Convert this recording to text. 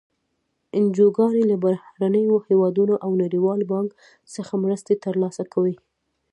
انجوګانې له بهرنیو هېوادونو او نړیوال بانک څخه مرستې تر لاسه کوي.